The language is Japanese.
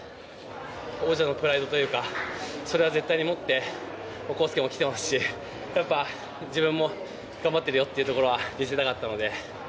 王者のプライドというかそれは絶対に持って公介も来てくれていますしやっぱ、自分も頑張ってるよというところは見せたかったので。